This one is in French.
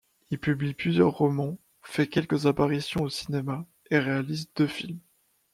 Il publie plusieurs romans, fait quelques apparitions au cinéma et réalise deux films.